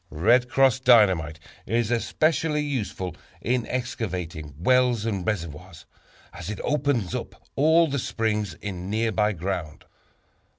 "Red Cross" Dynamite is especially useful in excavating wells and reservoirs, as it opens up all the springs in nearby ground.